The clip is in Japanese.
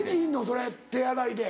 それ手洗いで。